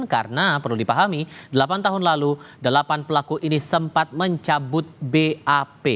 karena perlu dipahami delapan tahun lalu delapan pelaku ini sempat mencabut bap